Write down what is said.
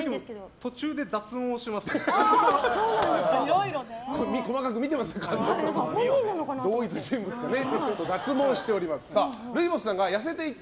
途中で脱毛しました。